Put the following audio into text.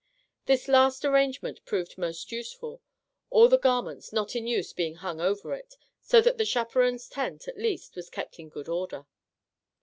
This last arrangement proved most useful, all the gar ments not in use being hung over it, so that the chaperons' tent, at least, was kept in good order.